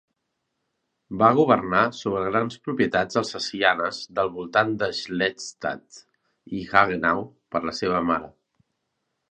Va governar sobre grans propietats alsacianes del voltant de Schlettstadt i Hagenau per la seva mare.